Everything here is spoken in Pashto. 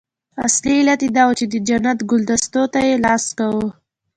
اصلي علت یې دا وو چې د جنت ګلدستو ته یې لاس کاوه.